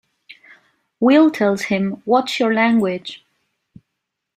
Will tells him, Watch your language!